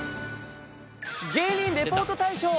芸人リポート大賞